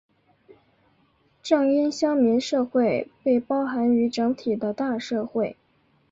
正因乡民社会被包含于整体的大社会。